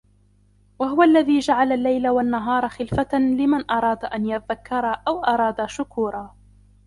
وَهُوَ الَّذي جَعَلَ اللَّيلَ وَالنَّهارَ خِلفَةً لِمَن أَرادَ أَن يَذَّكَّرَ أَو أَرادَ شُكورًا